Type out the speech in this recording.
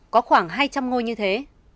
có khoảng hai trăm linh ngôi như thế